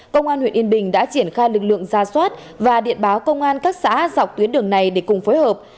công an huyện yên bình đã triển khai lực lượng ra soát và điện báo công an các xã dọc tuyến đường này để cùng phối hợp